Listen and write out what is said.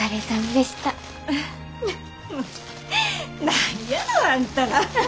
何やのあんたら。